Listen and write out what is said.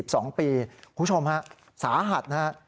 คุณผู้ชมฮะสาหัสนะฮะ